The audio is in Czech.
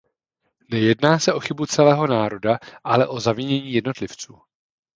Nejedná se o chybu celého národa, ale o zavinění jednotlivců.